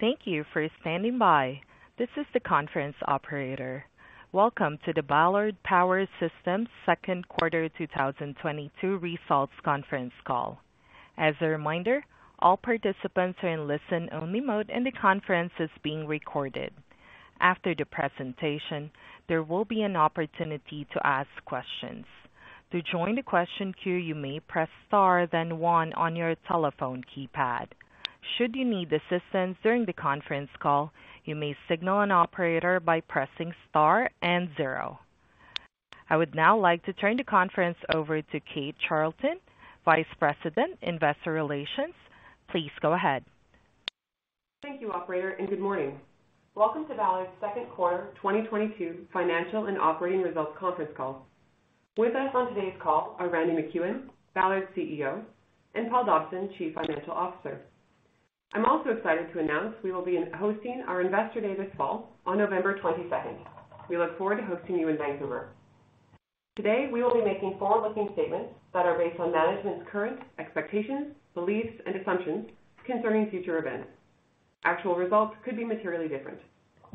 Thank you for standing by. This is the conference operator. Welcome to the Ballard Power Systems Second Quarter 2022 Results Conference Call. As a reminder, all participants are in listen-only mode, and the conference is being recorded. After the presentation, there will be an opportunity to ask questions. To join the question queue, you may press Star, then one on your telephone keypad. Should you need assistance during the conference call, you may signal an operator by pressing Star and zero. I would now like to turn the conference over to Kate Charlton, Vice President, Investor Relations. Please go ahead. Thank you, operator, and good morning. Welcome to Ballard's Q2 2022 financial and operating results conference call. With us on today's call are Randy MacEwen, Ballard's CEO, and Paul Dobson, Chief Financial Officer. I'm also excited to announce we will be hosting our Investor Day this fall on November 22. We look forward to hosting you in Vancouver. Today, we will be making forward-looking statements that are based on management's current expectations, beliefs and assumptions concerning future events. Actual results could be materially different.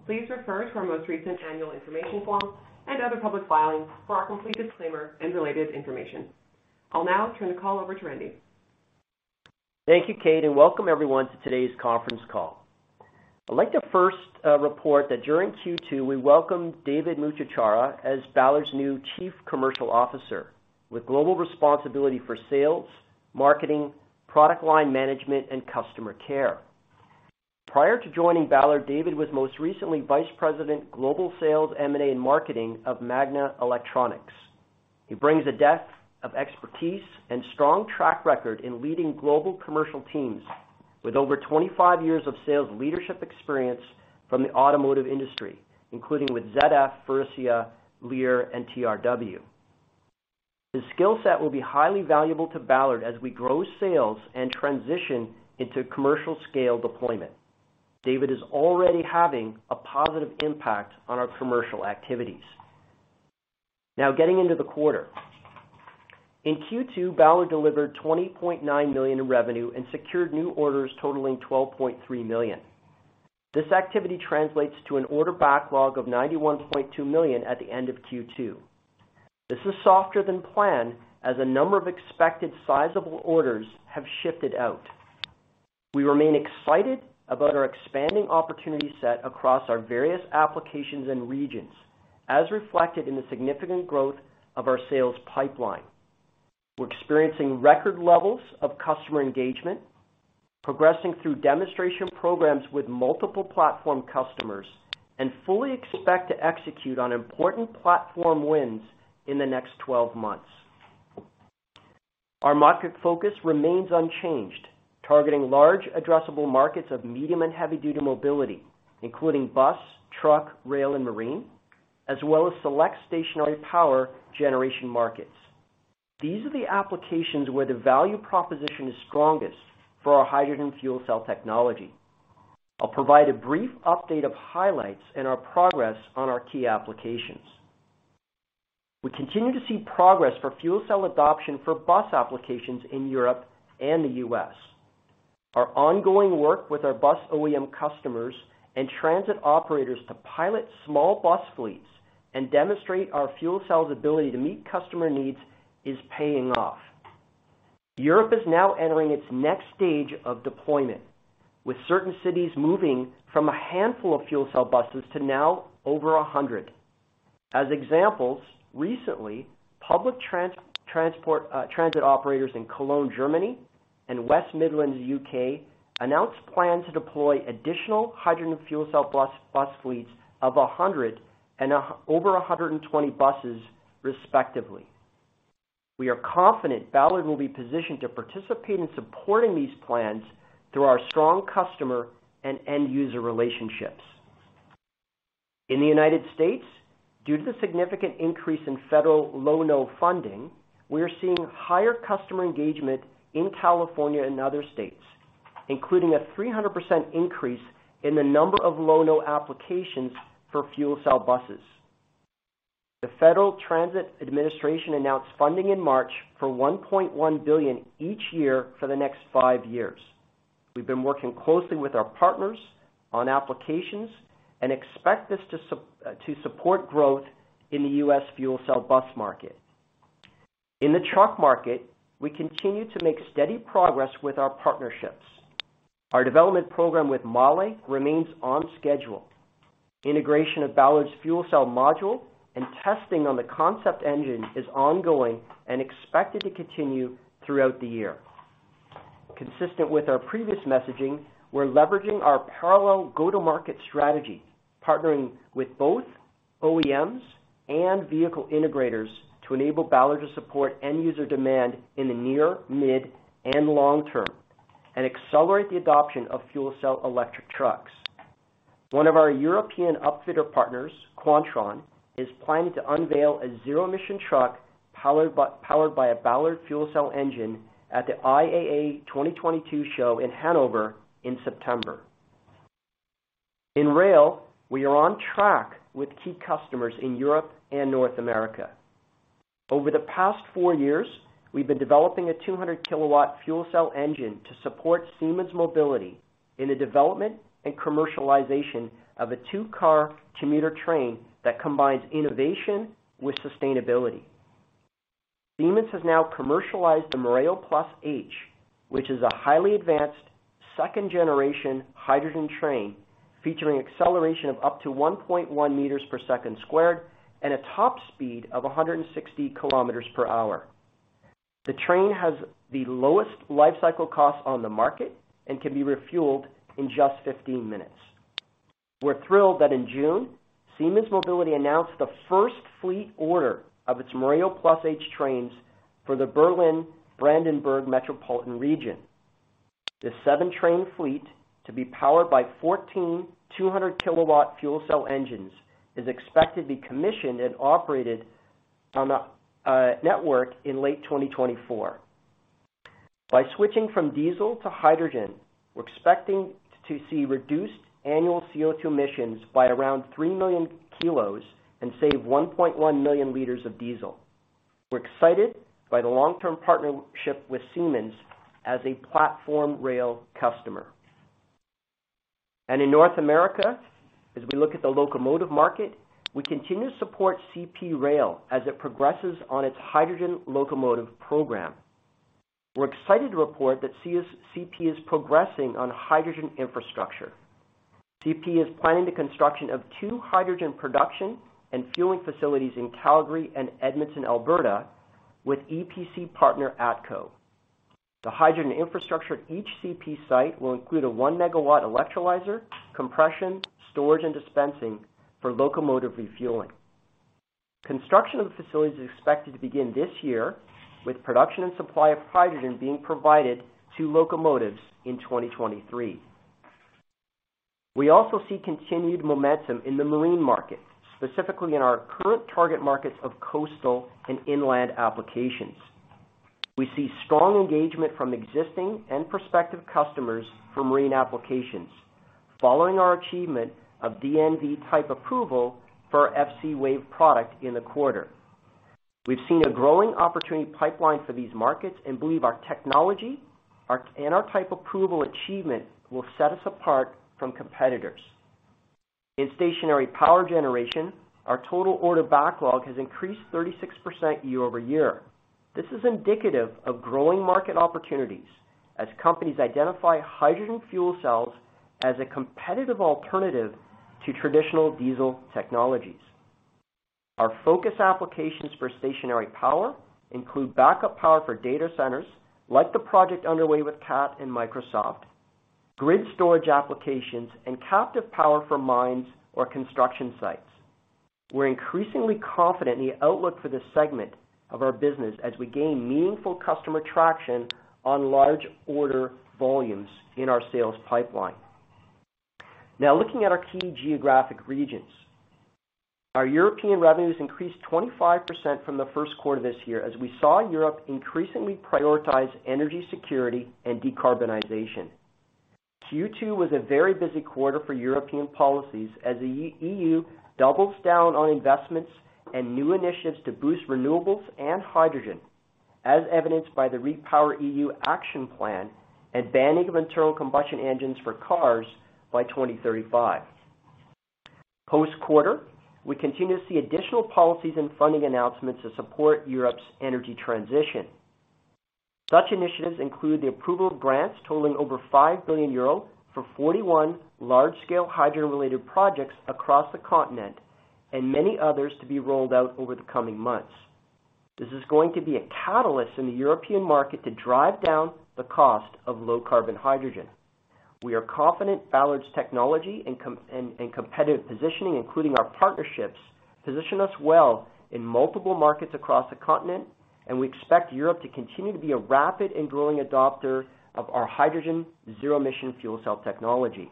Please refer to our most recent annual information form and other public filings for our complete disclaimer and related information. I'll now turn the call over to Randy. Thank you, Kate, and welcome everyone to today's conference call. I'd like to first report that during Q2, we welcomed David Mucciacciaro as Ballard's new Chief Commercial Officer with global responsibility for sales, marketing, product line management, and customer care. Prior to joining Ballard, David was most recently Vice President Global Sales, M&A, and Marketing of Magna Electronics. He brings a depth of expertise and strong track record in leading global commercial teams with over 25 years of sales leadership experience from the automotive industry, including with ZF, Faurecia, Lear, and TRW. His skill set will be highly valuable to Ballard as we grow sales and transition into commercial scale deployment. David is already having a positive impact on our commercial activities. Now getting into the quarter. In Q2, Ballard delivered $20.9 million in revenue and secured new orders totaling $12.3 million. This activity translates to an order backlog of $91.2 million at the end of Q2. This is softer than planned as a number of expected sizable orders have shifted out. We remain excited about our expanding opportunity set across our various applications and regions, as reflected in the significant growth of our sales pipeline. We're experiencing record levels of customer engagement, progressing through demonstration programs with multiple platform customers, and fully expect to execute on important platform wins in the next 12 months. Our market focus remains unchanged, targeting large addressable markets of medium and heavy-duty mobility, including bus, truck, rail, and marine, as well as select stationary power generation markets. These are the applications where the value proposition is strongest for our hydrogen fuel cell technology. I'll provide a brief update of highlights and our progress on our key applications. We continue to see progress for fuel cell adoption for bus applications in Europe and the US. Our ongoing work with our bus OEM customers and transit operators to pilot small bus fleets and demonstrate our fuel cells ability to meet customer needs is paying off. Europe is now entering its next stage of deployment, with certain cities moving from a handful of fuel cell buses to now over 100. As examples, recently, public transit operators in Cologne, Germany and West Midlands, UK, announced plans to deploy additional hydrogen fuel cell bus fleets of 100 and over 120 buses, respectively. We are confident Ballard will be positioned to participate in supporting these plans through our strong customer and end user relationships. In the United States, due to the significant increase in federal Low-No funding, we are seeing higher customer engagement in California and other states, including a 300% increase in the number of Low-No applications for fuel cell buses. The Federal Transit Administration announced funding in March for $1.1 billion each year for the next five years. We've been working closely with our partners on applications and expect this to support growth in the U.S. fuel cell bus market. In the truck market, we continue to make steady progress with our partnerships. Our development program with Mahle remains on schedule. Integration of Ballard's fuel cell module and testing on the concept engine is ongoing and expected to continue throughout the year. Consistent with our previous messaging, we're leveraging our parallel go-to-market strategy, partnering with both OEMs and vehicle integrators to enable Ballard to support end user demand in the near, mid, and long term and accelerate the adoption of fuel cell electric trucks. One of our European upfitter partners, Quantron, is planning to unveil a zero-emission truck powered by a Ballard fuel cell engine at the IAA 2022 show in Hanover in September. In rail, we are on track with key customers in Europe and North America. Over the past four years, we've been developing a 200 kW fuel cell engine to support Siemens Mobility in the development and commercialization of a two-car commuter train that combines innovation with sustainability. Siemens has now commercialized the Mireo Plus H, which is a highly advanced second-generation hydrogen train featuring acceleration of up to 1.1 meters per second squared, and a top speed of 160 kilometers per hour. The train has the lowest life cycle cost on the market and can be refueled in just 15 minutes. We're thrilled that in June, Siemens Mobility announced the first fleet order of its Mireo Plus H trains for the Berlin-Brandenburg metropolitan region. The seven-train fleet to be powered by fourteen 200-kilowatt fuel cell engines is expected to be commissioned and operated on a network in late 2024. By switching from diesel to hydrogen, we're expecting to see reduced annual CO₂ emissions by around three million kilos and save 1.1 million liters of diesel. We're excited by the long-term partnership with Siemens as a platform rail customer. In North America, as we look at the locomotive market, we continue to support CP Rail as it progresses on its hydrogen locomotive program. We're excited to report that CP is progressing on hydrogen infrastructure. CP is planning the construction of two hydrogen production and fueling facilities in Calgary and Edmonton, Alberta, with EPC partner ATCO. The hydrogen infrastructure at each CP site will include a 1-MW electrolyzer, compression, storage, and dispensing for locomotive refueling. Construction of the facilities is expected to begin this year, with production and supply of hydrogen being provided to locomotives in 2023. We also see continued momentum in the marine market, specifically in our current target markets of coastal and inland applications. We see strong engagement from existing and prospective customers for marine applications following our achievement of DNV Type Approval for our FCwave product in the quarter. We've seen a growing opportunity pipeline for these markets and believe our technology and our type approval achievement will set us apart from competitors. In stationary power generation, our total order backlog has increased 36% year-over-year. This is indicative of growing market opportunities as companies identify hydrogen fuel cells as a competitive alternative to traditional diesel technologies. Our focus applications for stationary power include backup power for data centers like the project underway with CAT and Microsoft, grid storage applications, and captive power for mines or construction sites. We're increasingly confident in the outlook for this segment of our business as we gain meaningful customer traction on large order volumes in our sales pipeline. Now looking at our key geographic regions. Our European revenues increased 25% from the first quarter of this year as we saw Europe increasingly prioritize energy security and decarbonization. Q2 was a very busy quarter for European policies as the EU doubles down on investments and new initiatives to boost renewables and hydrogen, as evidenced by the REPowerEU action plan and banning of internal combustion engines for cars by 2035. Post-quarter, we continue to see additional policies and funding announcements to support Europe's energy transition. Such initiatives include the approval of grants totaling over 5 billion euro for 41 large-scale hydrogen-related projects across the continent, and many others to be rolled out over the coming months. This is going to be a catalyst in the European market to drive down the cost of low-carbon hydrogen. We are confident Ballard's technology and competitive positioning, including our partnerships, position us well in multiple markets across the continent, and we expect Europe to continue to be a rapid and growing adopter of our hydrogen zero-emission fuel cell technology.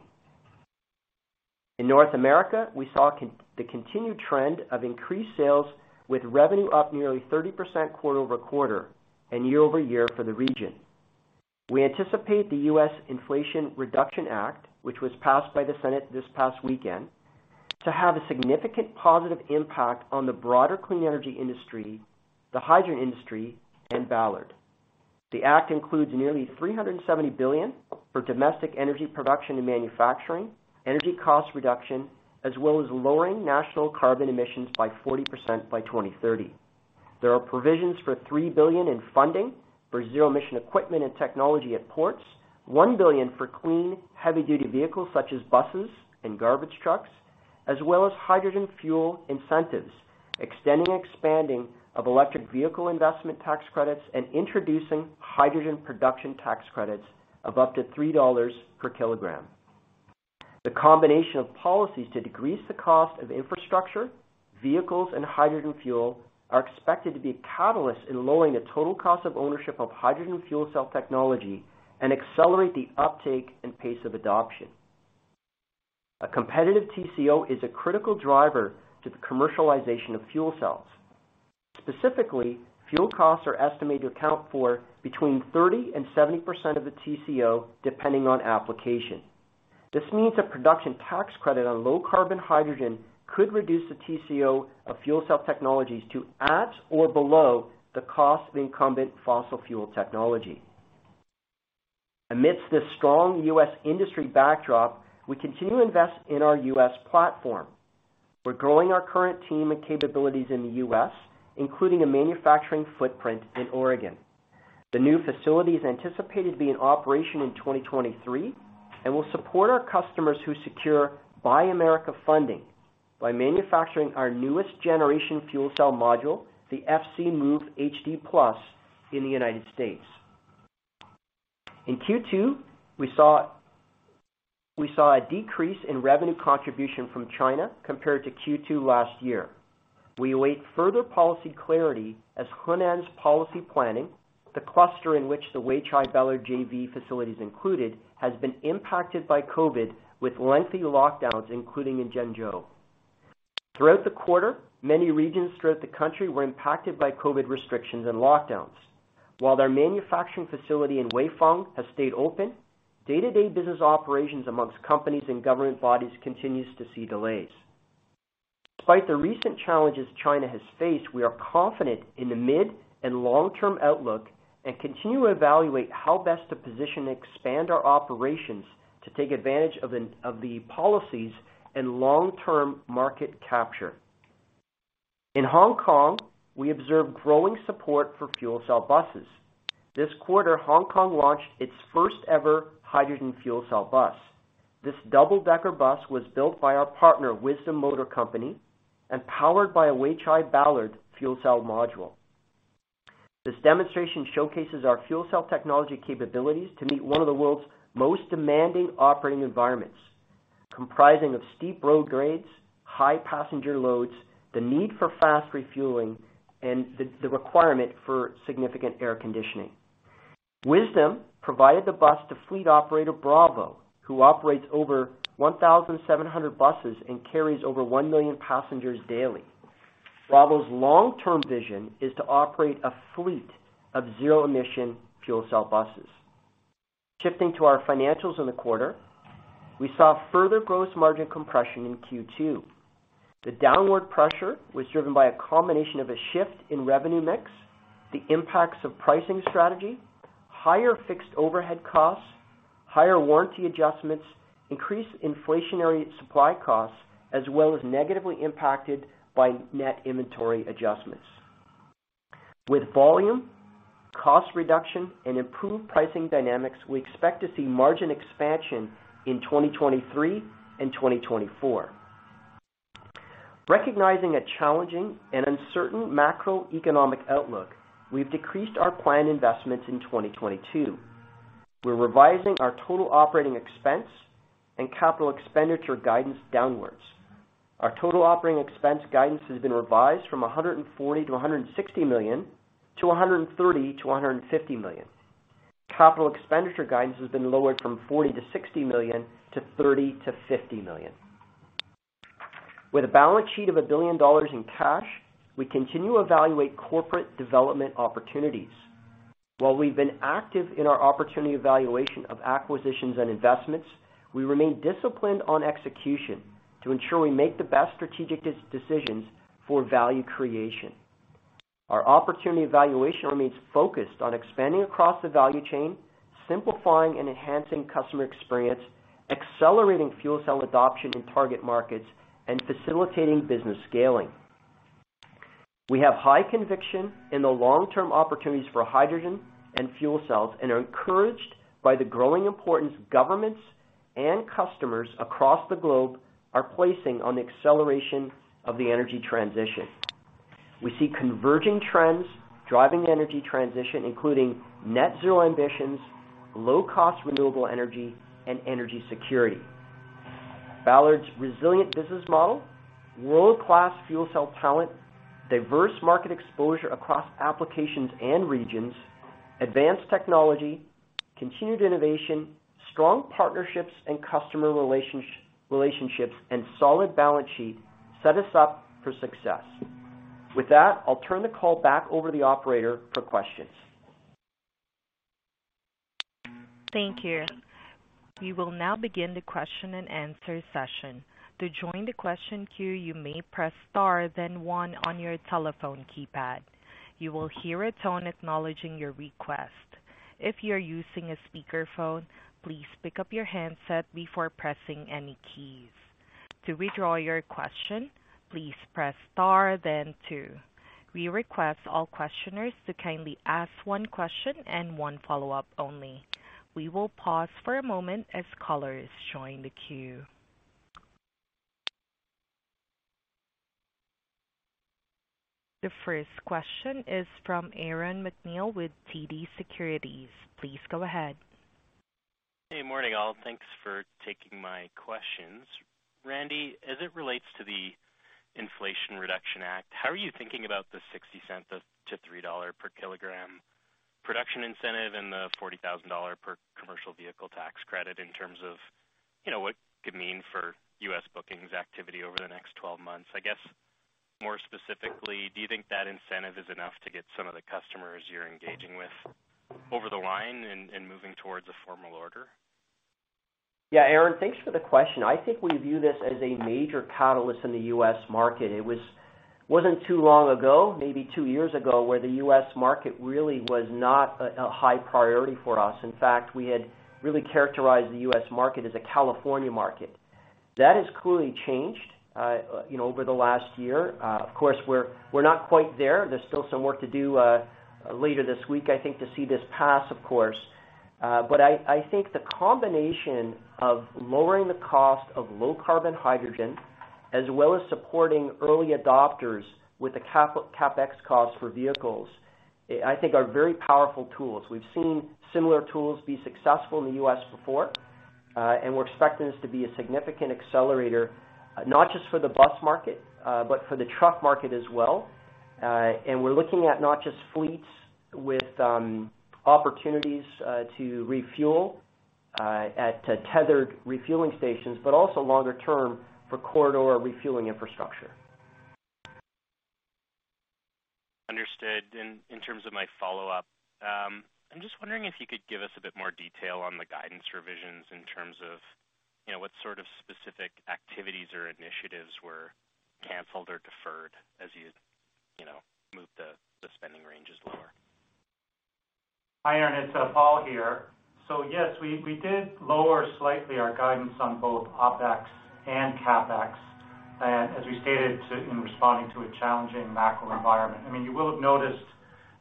In North America, we saw the continued trend of increased sales with revenue up nearly 30% quarter-over-quarter and year-over-year for the region. We anticipate the U.S. Inflation Reduction Act, which was passed by the Senate this past weekend, to have a significant positive impact on the broader clean energy industry, the hydrogen industry, and Ballard. The act includes nearly $370 billion for domestic energy production and manufacturing, energy cost reduction, as well as lowering national carbon emissions by 40% by 2030. There are provisions for $3 billion in funding for zero emission equipment and technology at ports, $1 billion for clean heavy-duty vehicles such as buses and garbage trucks, as well as hydrogen fuel incentives, extending and expanding of electric vehicle investment tax credits, and introducing hydrogen production tax credits of up to $3 per kilogram. The combination of policies to decrease the cost of infrastructure, vehicles, and hydrogen fuel are expected to be a catalyst in lowering the total cost of ownership of hydrogen fuel cell technology and accelerate the uptake and pace of adoption. A competitive TCO is a critical driver to the commercialization of fuel cells. Specifically, fuel costs are estimated to account for between 30% and 70% of the TCO, depending on application. This means a production tax credit on low carbon hydrogen could reduce the TCO of fuel cell technologies to at or below the cost of incumbent fossil fuel technology. Amidst this strong U.S. industry backdrop, we continue to invest in our U.S. platform. We're growing our current team and capabilities in the U.S., including a manufacturing footprint in Oregon. The new facility is anticipated to be in operation in 2023 and will support our customers who secure Buy America funding by manufacturing our newest generation fuel cell module, the FCmove-HD+, in the United States. In Q2, we saw a decrease in revenue contribution from China compared to Q2 last year. We await further policy clarity as Hunan’s policy planning, the cluster in which the Weichai-Ballard JV facilities included, has been impacted by COVID with lengthy lockdowns, including in Zhengzhou. Throughout the quarter, many regions throughout the country were impacted by COVID restrictions and lockdowns. While their manufacturing facility in Weifang has stayed open, day-to-day business operations amongst companies and government bodies continues to see delays. Despite the recent challenges China has faced, we are confident in the mid and long-term outlook and continue to evaluate how best to position and expand our operations to take advantage of of the policies and long-term market capture. In Hong Kong, we observed growing support for fuel cell buses. This quarter, Hong Kong launched its first ever hydrogen fuel cell bus. This double-decker bus was built by our partner, Wisdom Motor Company, and powered by a Weichai-Ballard fuel cell module. This demonstration showcases our fuel cell technology capabilities to meet one of the world's most demanding operating environments, comprising of steep road grades, high passenger loads, the need for fast refueling, and the requirement for significant air conditioning. Wisdom provided the bus to fleet operator Bravo, who operates over 1,700 buses and carries over 1 million passengers daily. Bravo's long-term vision is to operate a fleet of zero emission fuel cell buses. Shifting to our financials in the quarter, we saw further gross margin compression in Q2. The downward pressure was driven by a combination of a shift in revenue mix, the impacts of pricing strategy, higher fixed overhead costs, higher warranty adjustments, increased inflationary supply costs, as well as negatively impacted by net inventory adjustments. With volume, cost reduction, and improved pricing dynamics, we expect to see margin expansion in 2023 and 2024. Recognizing a challenging and uncertain macroeconomic outlook, we've decreased our planned investments in 2022. We're revising our total OpEx and CapEx guidance downwards. Our total OpEx guidance has been revised from $140 million-$160 million to $130 million-$150 million. CapEx guidance has been lowered from $40 million-$60 million to $30 million-$50 million. With a balance sheet of $1 billion in cash, we continue to evaluate corporate development opportunities. While we've been active in our opportunity evaluation of acquisitions and investments, we remain disciplined on execution to ensure we make the best strategic decisions for value creation. Our opportunity evaluation remains focused on expanding across the value chain, simplifying and enhancing customer experience, accelerating fuel cell adoption in target markets, and facilitating business scaling. We have high conviction in the long-term opportunities for hydrogen and fuel cells and are encouraged by the growing importance governments and customers across the globe are placing on the acceleration of the energy transition. We see converging trends driving the energy transition, including net zero ambitions, low cost renewable energy, and energy security. Ballard's resilient business model, world-class fuel cell talent, diverse market exposure across applications and regions, advanced technology, continued innovation, strong partnerships and customer relationships, and solid balance sheet set us up for success. With that, I'll turn the call back over the operator for questions. Thank you. We will now begin the question and answer session. To join the question queue, you may press star then one on your telephone keypad. You will hear a tone acknowledging your request. If you're using a speaker phone, please pick up your handset before pressing any keys. To withdraw your question, please press star then two. We request all questioners to kindly ask one question and one follow-up only. We will pause for a moment as callers join the queue. The first question is from Aaron MacNeil with TD Cowen. Please go ahead. Hey, morning all. Thanks for taking my questions. Randy, as it relates to the Inflation Reduction Act, how are you thinking about the $0.60-$3 per kilogram production incentive and the $40,000 per commercial vehicle tax credit in terms of, you know, what it could mean for U.S. bookings activity over the next 12 months? I guess, more specifically, do you think that incentive is enough to get some of the customers you're engaging with over the line and moving towards a formal order? Yeah. Aaron, thanks for the question. I think we view this as a major catalyst in the U.S. market. It wasn't too long ago, maybe two years ago, where the U.S. market really was not a high priority for us. In fact, we had really characterized the U.S. market as a California market. That has clearly changed, you know, over the last year. Of course, we're not quite there. There's still some work to do, later this week, I think, to see this pass, of course. But I think the combination of lowering the cost of low-carbon hydrogen as well as supporting early adopters with the CapEx costs for vehicles, I think are very powerful tools. We've seen similar tools be successful in the U.S. before, and we're expecting this to be a significant accelerator, not just for the bus market, but for the truck market as well. We're looking at not just fleets with opportunities to refuel at tethered refueling stations, but also longer term for corridor refueling infrastructure. Understood. In terms of my follow-up, I'm just wondering if you could give us a bit more detail on the guidance revisions in terms of, you know, what sort of specific activities or initiatives were canceled or deferred as you know, moved the spending ranges lower? Hi, Aaron, it's Paul here. Yes, we did lower slightly our guidance on both OpEx and CapEx, and as we stated in responding to a challenging macro environment. I mean, you will have noticed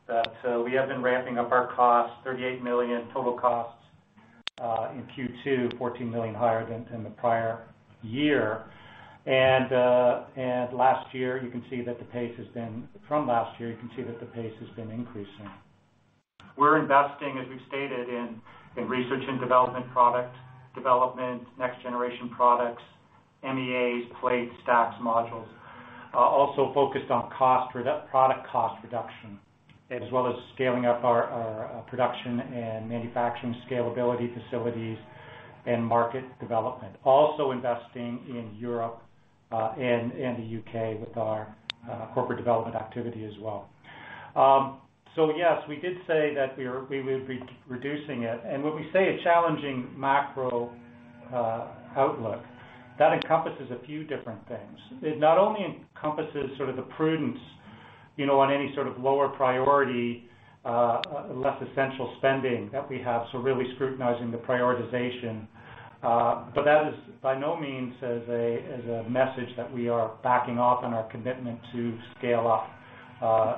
that we have been ramping up our costs, $38 million total costs in Q2, $14 million higher than in the prior year. Last year, you can see that the pace has been increasing. We're investing, as we've stated, in research and development, product development, next generation products, MEAs, plates, stacks, modules. Also focused on product cost reduction, as well as scaling up our production and manufacturing scalability facilities and market development. Also investing in Europe and the UK with our corporate development activity as well. Yes, we would be reducing it. When we say a challenging macro outlook, that encompasses a few different things. It not only encompasses sort of the prudence, you know, on any sort of lower priority, less essential spending that we have, so really scrutinizing the prioritization. That is by no means a message that we are backing off on our commitment to scale up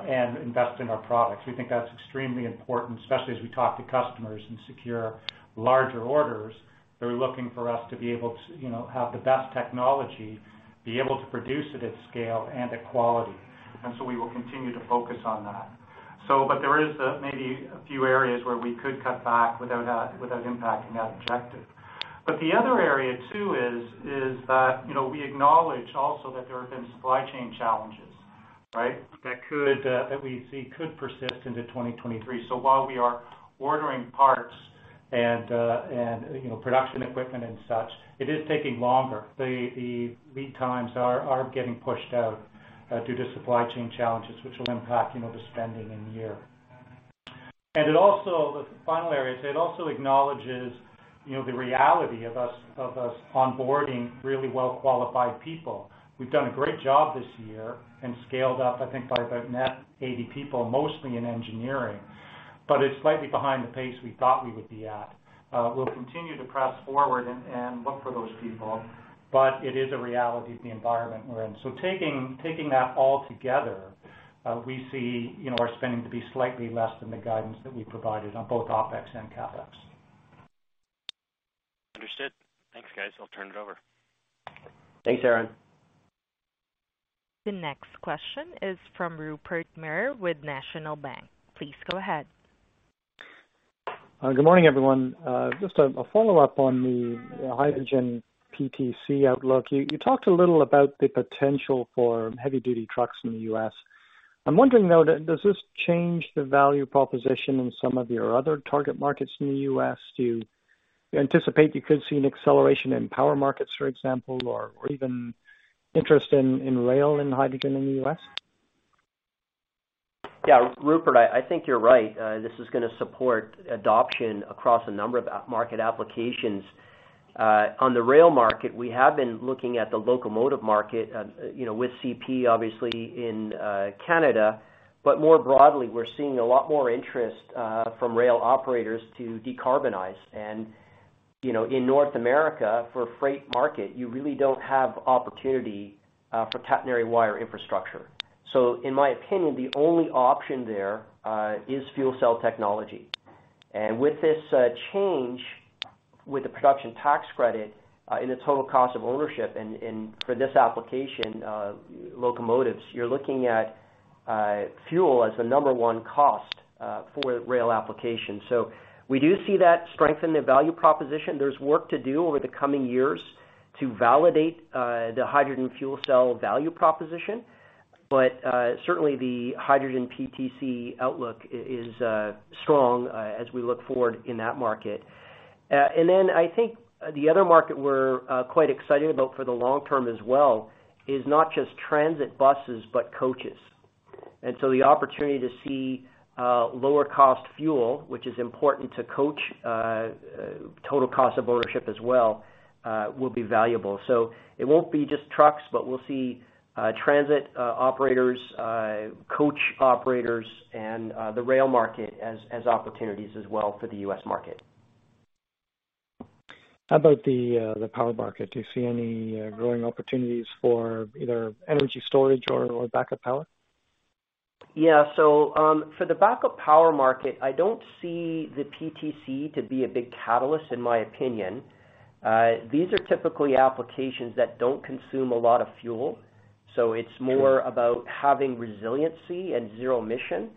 and invest in our products. We think that's extremely important, especially as we talk to customers and secure larger orders. They're looking for us to be able to, you know, have the best technology, be able to produce it at scale and at quality. We will continue to focus on that. There is maybe a few areas where we could cut back without impacting that objective. The other area too is that you know we acknowledge also that there have been supply chain challenges, right? That we see could persist into 2023. While we are ordering parts and you know production equipment and such, it is taking longer. The lead times are getting pushed out due to supply chain challenges which will impact you know the spending in the year. The final area is it also acknowledges you know the reality of us onboarding really well-qualified people. We've done a great job this year and scaled up, I think by about net 80 people, mostly in engineering. It's slightly behind the pace we thought we would be at. We'll continue to press forward and look for those people, but it is a reality of the environment we're in. Taking that all together, we see, you know, our spending to be slightly less than the guidance that we provided on both OpEx and CapEx. Understood. Thanks, guys. I'll turn it over. Thanks, Aaron. The next question is from Rupert Merer with National Bank. Please go ahead. Good morning, everyone. Just a follow-up on the hydrogen PTC outlook. You talked a little about the potential for heavy duty trucks in the U.S. I'm wondering, though, does this change the value proposition in some of your other target markets in the U.S.? Do you anticipate you could see an acceleration in power markets, for example, or even interest in rail and hydrogen in the U.S.? Yeah, Rupert, I think you're right. This is gonna support adoption across a number of market applications. On the rail market, we have been looking at the locomotive market, you know, with CP obviously in Canada. More broadly, we're seeing a lot more interest from rail operators to decarbonize. You know, in North America, for a freight market, you really don't have opportunity for catenary wire infrastructure. In my opinion, the only option there is fuel cell technology. With this change, with the production tax credit in the total cost of ownership and for this application, locomotives, you're looking at fuel as the number one cost for rail applications. We do see that strengthen the value proposition. There's work to do over the coming years to validate the hydrogen fuel cell value proposition, but certainly the hydrogen PTC outlook is strong as we look forward in that market. I think the other market we're quite excited about for the long term as well is not just transit buses, but coaches. The opportunity to see lower cost fuel, which is important to coach total cost of ownership as well, will be valuable. It won't be just trucks, but we'll see transit operators, coach operators and the rail market as opportunities as well for the U.S. market. How about the power market? Do you see any growing opportunities for either energy storage or backup power? Yeah. For the backup power market, I don't see the PTC to be a big catalyst in my opinion. These are typically applications that don't consume a lot of fuel, so it's more about having resiliency and zero emission,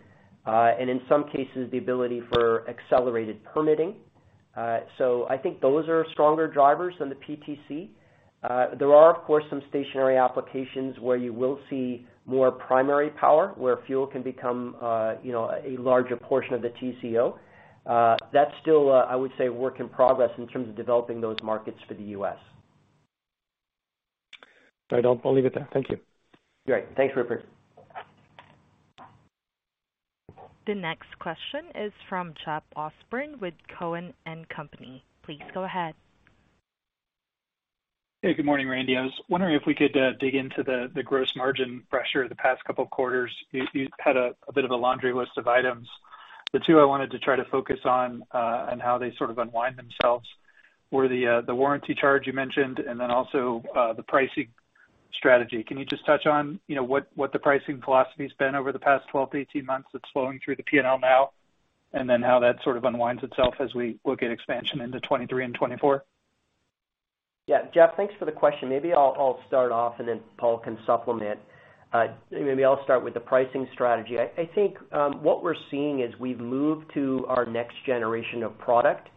and in some cases the ability for accelerated permitting. I think those are stronger drivers than the PTC. There are, of course, some stationary applications where you will see more primary power, where fuel can become, you know, a larger portion of the TCO. That's still, I would say work in progress in terms of developing those markets for the U.S. All right. I'll leave it there. Thank you. Great. Thanks, Rupert. The next question is from Jeff Osborne with TD Cowen. Please go ahead. Hey, good morning, Randy. I was wondering if we could dig into the gross margin pressure the past couple of quarters. You had a bit of a laundry list of items. The two I wanted to try to focus on how they sort of unwind themselves were the warranty charge you mentioned, and then also the pricing strategy. Can you just touch on, you know, what the pricing philosophy's been over the past 12-18 months that's flowing through the P&L now, and then how that sort of unwinds itself as we look at expansion into 2023 and 2024? Yeah. Jeff, thanks for the question. Maybe I'll start off, and then Paul can supplement. Maybe I'll start with the pricing strategy. I think what we're seeing is we've moved to our next generation of product,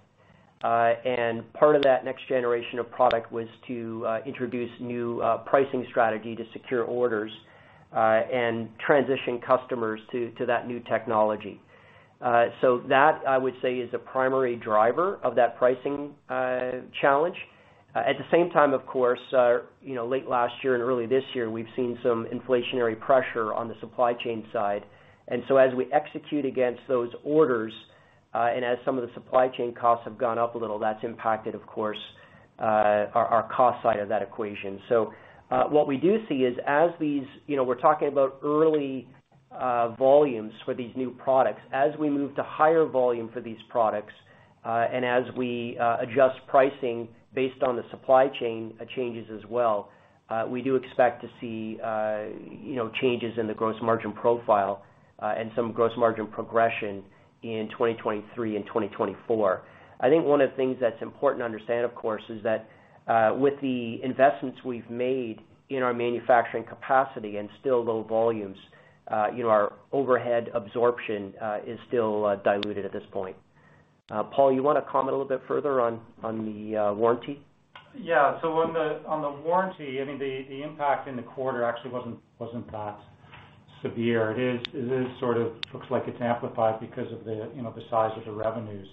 and part of that next generation of product was to introduce new pricing strategy to secure orders, and transition customers to that new technology. That, I would say, is a primary driver of that pricing challenge. At the same time, of course, you know, late last year and early this year, we've seen some inflationary pressure on the supply chain side. As we execute against those orders, and as some of the supply chain costs have gone up a little, that's impacted, of course, our cost side of that equation. What we do see is as these. You know, we're talking about early volumes for these new products. As we move to higher volume for these products, and as we adjust pricing based on the supply chain changes as well, we do expect to see changes in the gross margin profile, and some gross margin progression in 2023 and 2024. I think one of the things that's important to understand, of course, is that, with the investments we've made in our manufacturing capacity and still low volumes, our overhead absorption is still diluted at this point. Paul, you wanna comment a little bit further on the warranty? Yeah. On the warranty, I mean, the impact in the quarter actually wasn't that severe.It sort of looks like it's amplified because of the, you know, the size of the revenues.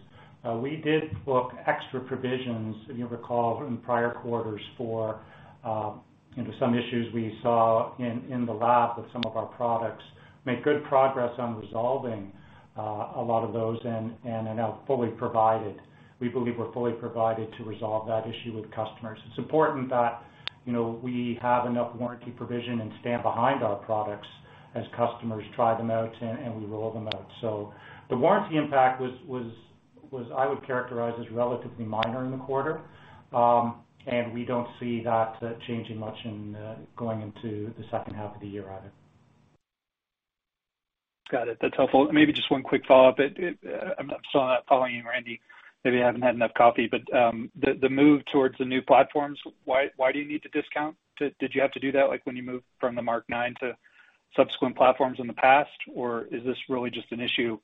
We did book extra provisions, if you recall, in prior quarters for, you know, some issues we saw in the lab with some of our products. Made good progress on resolving a lot of those and are now fully provided. We believe we're fully provided to resolve that issue with customers. It's important that, you know, we have enough warranty provision and stand behind our products as customers try them out and we roll them out. The warranty impact was I would characterize as relatively minor in the quarter. We don't see that changing much in going into the second half of the year either. Got it. That's helpful. Maybe just one quick follow-up. I'm still not following you, Randy. Maybe I haven't had enough coffee, but the move towards the new platforms, why do you need to discount? Did you have to do that, like, when you moved from the Mark 9 to subsequent platforms in the past? Or is this really just an issue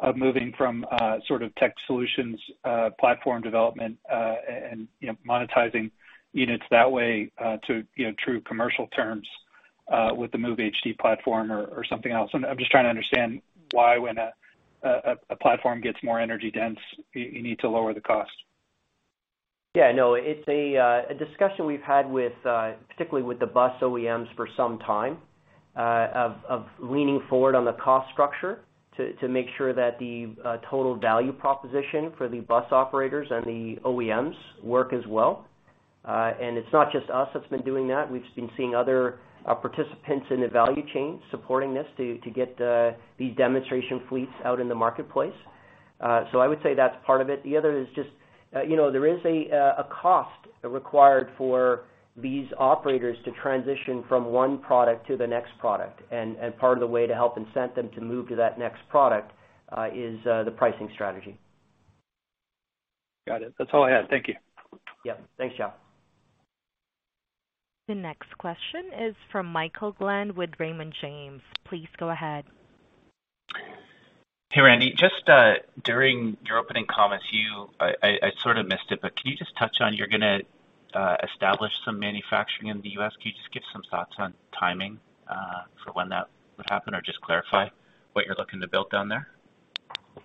of moving from sort of tech solutions, platform development, and you know, monetizing units that way, to you know, true commercial terms with the Move HD platform or something else? I'm just trying to understand why when a platform gets more energy dense, you need to lower the cost. Yeah, no. It's a discussion we've had with particularly with the bus OEMs for some time of leaning forward on the cost structure to make sure that the total value proposition for the bus operators and the OEMs work as well. It's not just us that's been doing that. We've been seeing other participants in the value chain supporting this to get these demonstration fleets out in the marketplace. I would say that's part of it. The other is just you know there is a cost required for these operators to transition from one product to the next product. Part of the way to help incent them to move to that next product is the pricing strategy. Got it. That's all I had. Thank you. Yeah. Thanks, Jeff. The next question is from Michael Glen with Raymond James. Please go ahead. Hey, Randy. Just during your opening comments, I sort of missed it, but can you just touch on you're gonna establish some manufacturing in the U.S. Can you just give some thoughts on timing for when that would happen? Or just clarify what you're looking to build down there.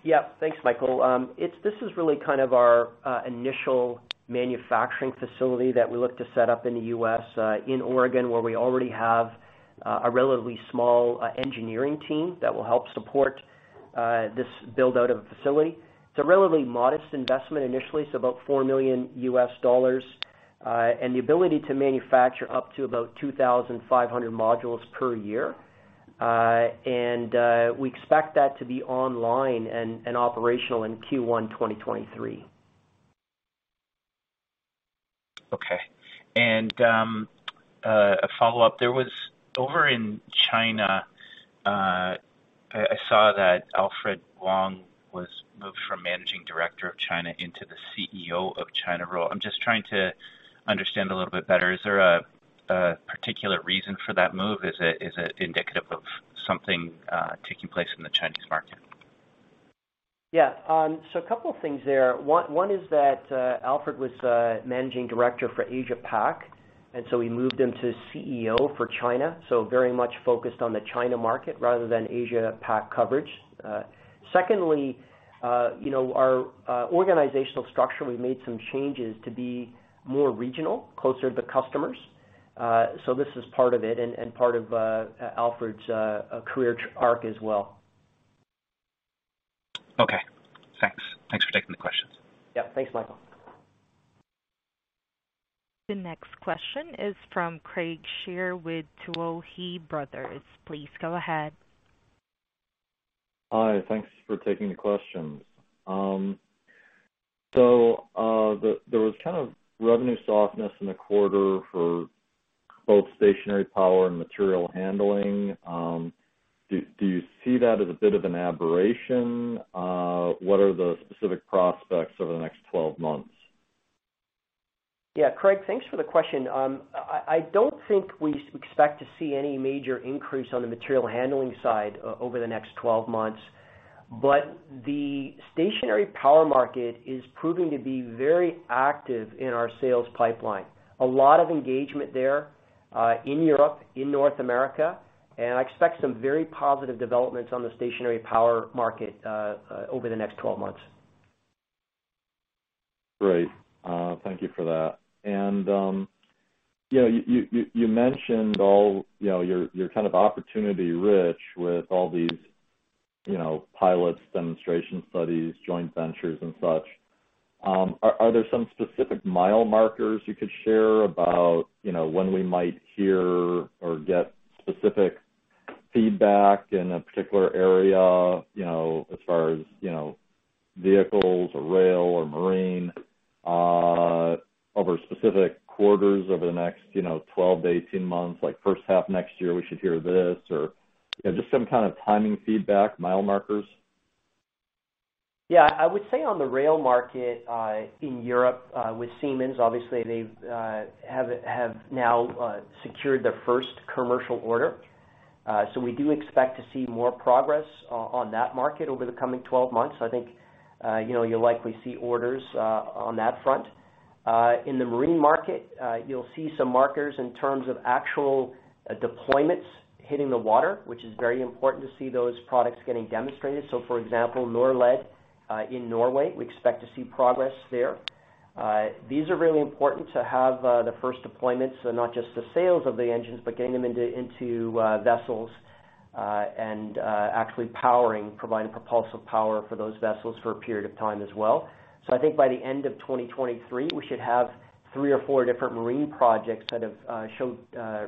Yeah. Thanks, Michael. This is really kind of our initial manufacturing facility that we look to set up in the US, in Oregon, where we already have a relatively small engineering team that will help support this build-out of a facility. It's a relatively modest investment initially, it's about $4 million, and the ability to manufacture up to about 2,500 modules per year. We expect that to be online and operational in Q1 2023. Okay. A follow-up. There was over in China, I saw that Alfred Wong was moved from Managing Director of China into the CEO of China role. I'm just trying to understand a little bit better. Is there a particular reason for that move? Is it indicative of something taking place in the Chinese market? Yeah. A couple of things there. One is that Alfred was managing director for Asia Pac, and we moved him to CEO for China, so very much focused on the China market rather than Asia Pac coverage. Secondly, you know, our organizational structure, we've made some changes to be more regional, closer to customers. This is part of it and part of Alfred's career arc as well. Okay. Thanks for taking the questions. Yeah. Thanks, Michael. The next question is from Craig Shere with Tuohy Brothers. Please go ahead. Hi. Thanks for taking the questions. There was kind of revenue softness in the quarter for both stationary power and material handling. Do you see that as a bit of an aberration? What are the specific prospects over the next 12 months? Yeah. Craig, thanks for the question. I don't think we expect to see any major increase on the material handling side over the next 12 months, but the stationary power market is proving to be very active in our sales pipeline. A lot of engagement there, in Europe, in North America, and I expect some very positive developments on the stationary power market over the next 12 months. Great. Thank you for that. You know, you mentioned all, you know, you're kind of opportunity rich with all these, you know, pilots, demonstration studies, joint ventures and such. Are there some specific milestones you could share about, you know, when we might hear or get specific feedback in a particular area, you know, as far as, you know, vehicles or rail or marine, over specific quarters over the next, you know, 12 to 18 months, like first half next year we should hear this or, you know, just some kind of timing feedback, milestones? Yeah. I would say on the rail market in Europe with Siemens, obviously they have now secured their first commercial order. We do expect to see more progress on that market over the coming 12 months. I think you know, you'll likely see orders on that front. In the marine market, you'll see some milestones in terms of actual deployments hitting the water, which is very important to see those products getting demonstrated. For example, Norled in Norway, we expect to see progress there. These are really important to have the first deployments, so not just the sales of the engines, but getting them into vessels and actually providing propulsive power for those vessels for a period of time as well. I think by the end of 2023, we should have three or four different marine projects that have showed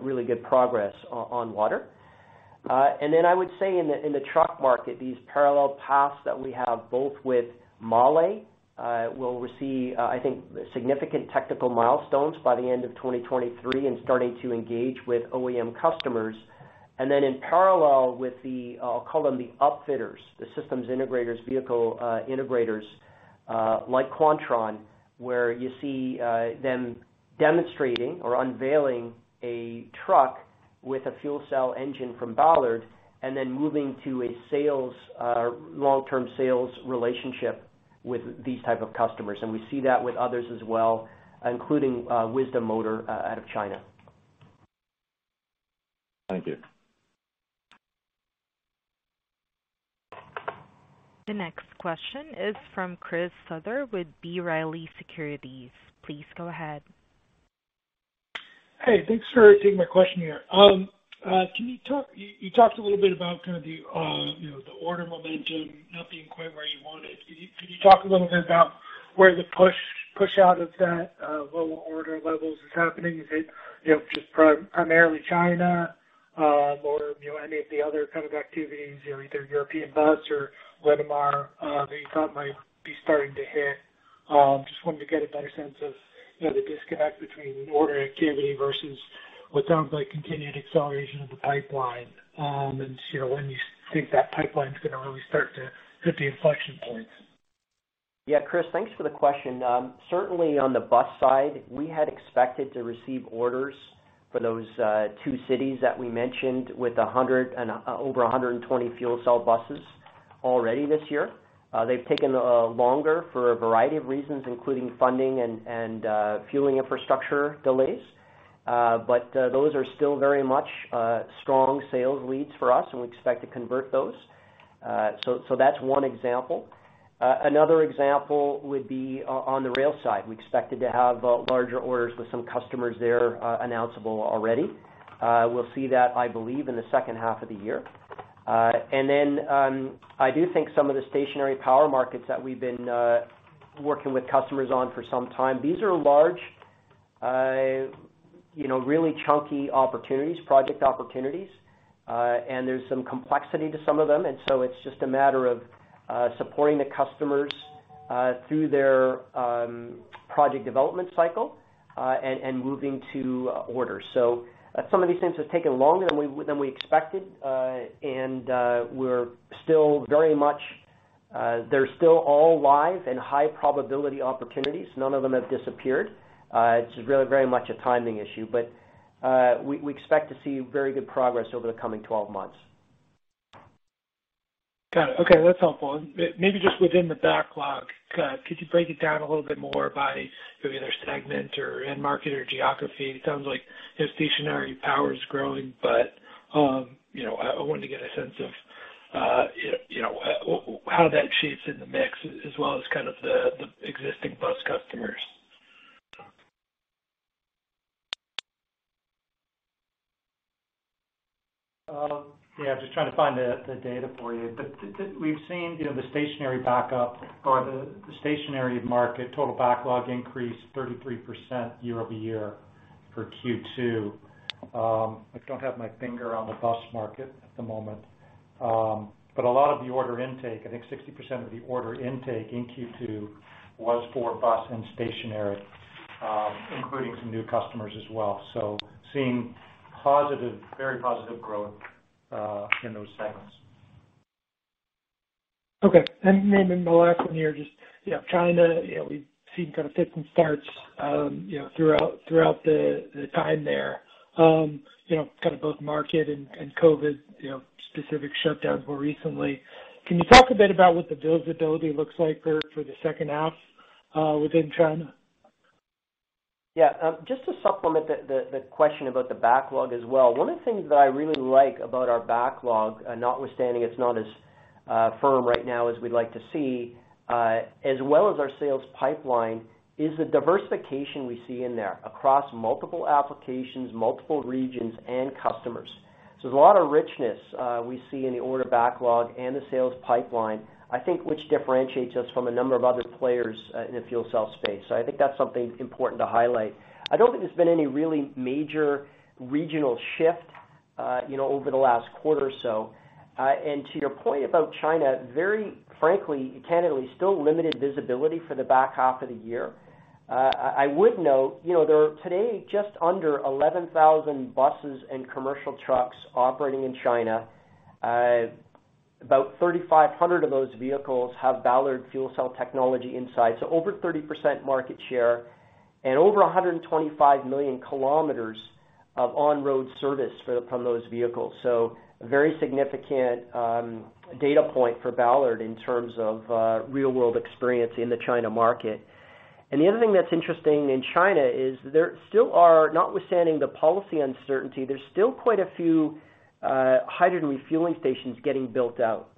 really good progress on water. I would say in the truck market, these parallel paths that we have both with MAHLE, we'll receive, I think significant technical milestones by the end of 2023 and starting to engage with OEM customers. In parallel with the, I'll call them the upfitters, the systems integrators, vehicle integrators, like Quantron, where you see them demonstrating or unveiling a truck with a fuel cell engine from Ballard and then moving to a sales long-term sales relationship with these type of customers. We see that with others as well, including Wisdom Motor out of China. Thank you. The next question is from Chris Souther with B. Riley Securities. Please go ahead. Hey, thanks for taking my question here. You talked a little bit about kind of, you know, the order momentum not being quite where you want it. Can you talk a little bit about where the push out of that lower order levels is happening? Is it, you know, just primarily China, or, you know, any of the other kind of activities, you know, either European bus or Linamar that you thought might be starting to hit? Just wanted to get a better sense of, you know, the disconnect between order activity versus what sounds like continued acceleration of the pipeline. When you think that pipeline is gonna really start to hit the inflection points. Yeah. Chris, thanks for the question. Certainly on the bus side, we had expected to receive orders for those two cities that we mentioned with 100 and over 120 fuel cell buses already this year. They've taken longer for a variety of reasons, including funding and fueling infrastructure delays. Those are still very much strong sales leads for us, and we expect to convert those. That's one example. Another example would be on the rail side. We expected to have larger orders with some customers there announceable already. We'll see that, I believe, in the second half of the year. I do think some of the stationary power markets that we've been working with customers on for some time, these are large, you know, really chunky opportunities, project opportunities. There's some complexity to some of them, and so it's just a matter of supporting the customers through their project development cycle, and moving to orders. Some of these things have taken longer than we expected. They're still all live and high probability opportunities. None of them have disappeared. It's really very much a timing issue. We expect to see very good progress over the coming 12 months. Got it. Okay, that's helpful. Maybe just within the backlog, could you break it down a little bit more by maybe either segment or end market or geography? It sounds like your stationary power is growing, but, you know, I wanted to get a sense of, you know, how that shapes in the mix as well as kind of the existing bus customers. Yeah, just trying to find the data for you. We've seen, you know, the stationary backup or the stationary market total backlog increase 33% year-over-year for Q2. I don't have my finger on the bus market at the moment. A lot of the order intake, I think 60% of the order intake in Q2 was for bus and stationary, including some new customers as well. Seeing positive, very positive growth in those segments. Okay. Maybe my last one here, just, you know, China, you know, we've seen kind of fits and starts, you know, throughout the time there. You know, kind of both market and COVID, you know, specific shutdowns more recently. Can you talk a bit about what the visibility looks like for the second half within China? Yeah, just to supplement the question about the backlog as well, one of the things that I really like about our backlog, notwithstanding it's not as firm right now as we'd like to see, as well as our sales pipeline, is the diversification we see in there across multiple applications, multiple regions and customers. There's a lot of richness we see in the order backlog and the sales pipeline, I think, which differentiates us from a number of other players in the fuel cell space. I think that's something important to highlight. I don't think there's been any really major regional shift, you know, over the last quarter or so. To your point about China, very frankly, candidly, still limited visibility for the back half of the year. I would note, you know, there are today just under 11,000 buses and commercial trucks operating in China. About 3,500 of those vehicles have Ballard fuel cell technology inside, so over 30% market share and over 125 million kilometers of on-road service from those vehicles. Very significant data point for Ballard in terms of real-world experience in the China market. The other thing that's interesting in China is there still are, notwithstanding the policy uncertainty, there's still quite a few hydrogen refueling stations getting built out.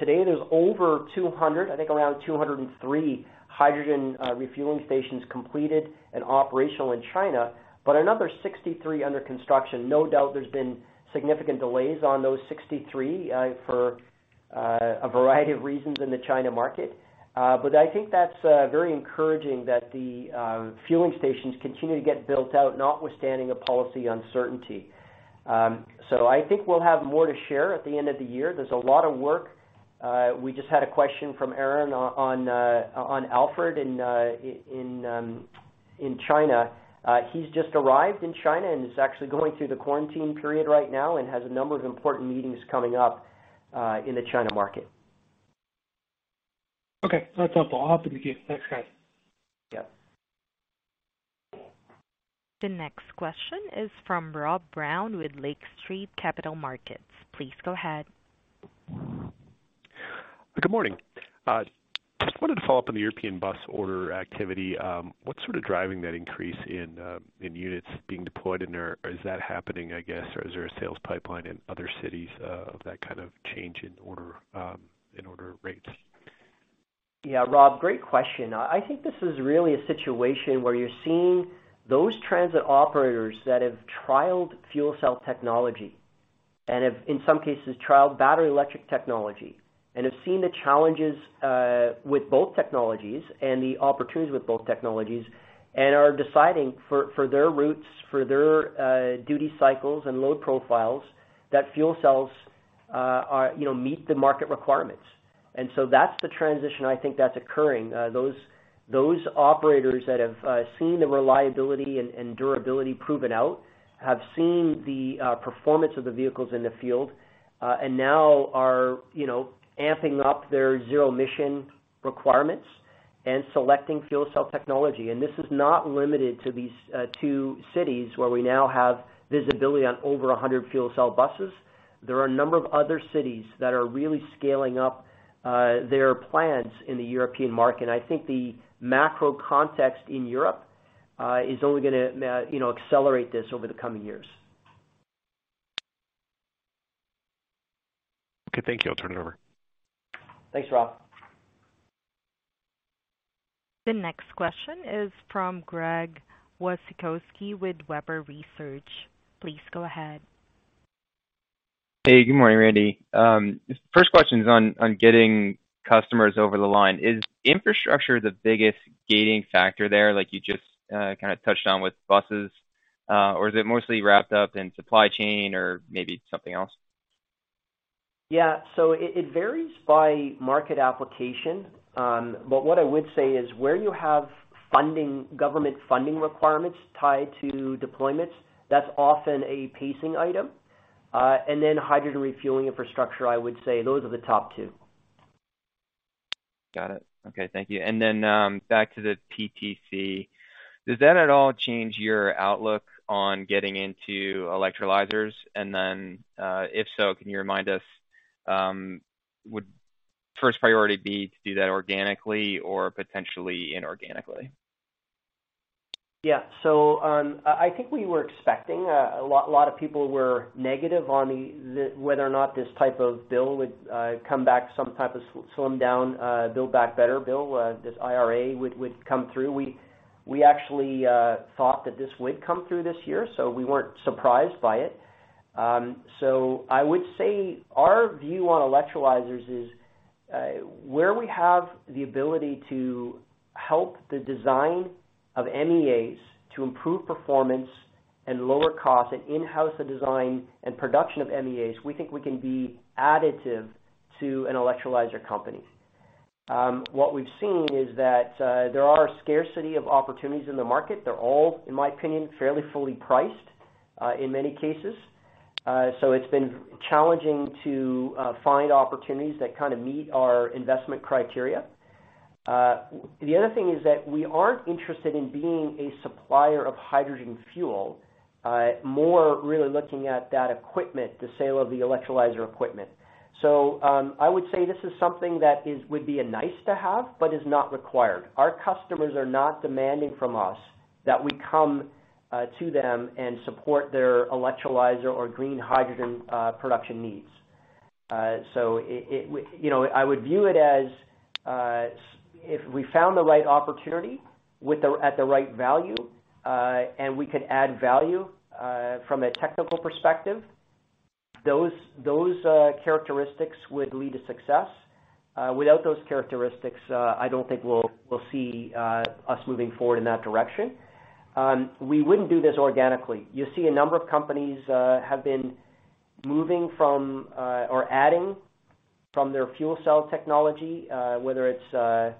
Today there's over 200, I think around 203 hydrogen refueling stations completed and operational in China, but another 63 under construction. No doubt there's been significant delays on those 63 for a variety of reasons in the China market. I think that's very encouraging that the fueling stations continue to get built out notwithstanding the policy uncertainty. I think we'll have more to share at the end of the year. There's a lot of work. We just had a question from Aaron on Alfred Wong in China. He's just arrived in China and is actually going through the quarantine period right now and has a number of important meetings coming up in the China market. Okay. That's helpful. I'll have to begin. Thanks, guys. Yeah. The next question is from Rob Brown with Lake Street Capital Markets. Please go ahead. Good morning. Just wanted to follow up on the European bus order activity. What's sort of driving that increase in units being deployed? Is that happening, I guess, or is there a sales pipeline in other cities of that kind of change in order rates? Yeah. Rob, great question. I think this is really a situation where you're seeing those transit operators that have trialed fuel cell technology and have, in some cases, trialed battery electric technology and have seen the challenges with both technologies and the opportunities with both technologies and are deciding for their routes, for their duty cycles and load profiles that fuel cells, you know, meet the market requirements. That's the transition I think that's occurring. Those operators that have seen the reliability and durability proven out, have seen the performance of the vehicles in the field and now are, you know, amping up their zero-emission requirements. Selecting fuel cell technology. This is not limited to these two cities where we now have visibility on over a hundred fuel cell buses. There are a number of other cities that are really scaling up their plans in the European market. I think the macro context in Europe is only gonna, you know, accelerate this over the coming years. Okay, thank you. I'll turn it over. Thanks, Rob. The next question is from Greg Wasikowski with Webber Research. Please go ahead. Hey, good morning, Randy. First question is on getting customers over the line. Is infrastructure the biggest gating factor there, like you just kinda touched on with buses? Or is it mostly wrapped up in supply chain or maybe something else? Yeah. It varies by market application, but what I would say is, where you have funding, government funding requirements tied to deployments, that's often a pacing item. Hydrogen refueling infrastructure, I would say those are the top two. Got it. Okay, thank you. Back to the PTC. Does that at all change your outlook on getting into electrolyzers? If so, can you remind us, would first priority be to do that organically or potentially inorganically? I think we were expecting a lot of people were negative on whether or not this type of bill would come back, some type of slim down build back better bill, this IRA would come through. We actually thought that this would come through this year, we weren't surprised by it. I would say our view on electrolyzers is where we have the ability to help the design of MEAs to improve performance and lower costs and in-house the design and production of MEAs, we think we can be additive to an electrolyzer company. What we've seen is that there is a scarcity of opportunities in the market. They're all, in my opinion, fairly fully priced in many cases. It's been challenging to find opportunities that kind of meet our investment criteria. The other thing is that we aren't interested in being a supplier of hydrogen fuel, more really looking at that equipment, the sale of the electrolyzer equipment. I would say this would be a nice to have, but is not required. Our customers are not demanding from us that we come to them and support their electrolyzer or green hydrogen production needs. You know, I would view it as if we found the right opportunity at the right value, and we could add value from a technical perspective, those characteristics would lead to success. Without those characteristics, I don't think we'll see us moving forward in that direction. We wouldn't do this organically. You see a number of companies have been moving from or adding from their fuel cell technology, whether it's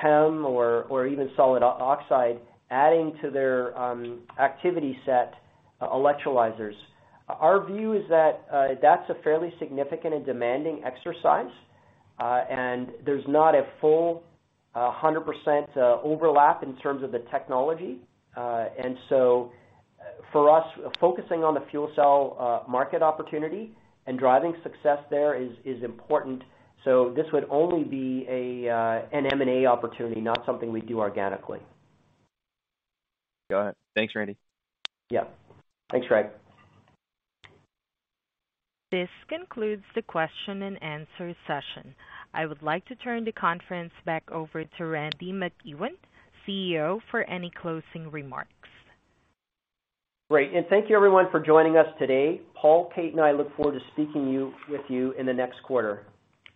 PEM or even solid oxide, adding to their activity set electrolyzers. Our view is that that's a fairly significant and demanding exercise, and there's not a full 100% overlap in terms of the technology. For us, focusing on the fuel cell market opportunity and driving success there is important. This would only be an M&A opportunity, not something we'd do organically. Got it. Thanks, Randy. Yeah. Thanks, Greg. This concludes the question and answer session. I would like to turn the conference back over to Randy MacEwen, CEO, for any closing remarks. Great. Thank you everyone for joining us today. Paul, Kate, and I look forward to speaking with you in the next quarter.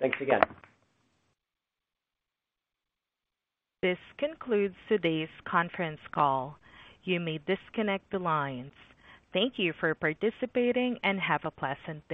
Thanks again. This concludes today's conference call. You may disconnect the lines. Thank you for participating, and have a pleasant day.